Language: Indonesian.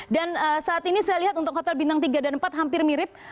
dan saat ini saya lihat untuk hotel bintang tiga dan empat hampir mirip